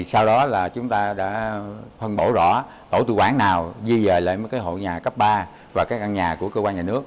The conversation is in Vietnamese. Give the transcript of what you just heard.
sau đó là chúng ta đã phân bổ rõ tổ tù quản nào di dời lại với hộ nhà cấp ba và các căn nhà của cơ quan nhà nước